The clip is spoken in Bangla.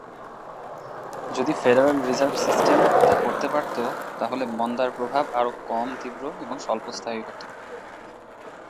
যদি ফেডারেল রিজার্ভ সিস্টেম তা করতে পারত তাহলে মন্দার প্রভাব আরো কম তীব্র এবং স্বল্পস্থায়ী হত।